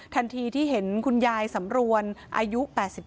ทันทีที่เห็นคุณยายสำรวนอายุ๘๗